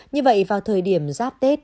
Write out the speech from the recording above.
như vậy vào thời điểm giáp tết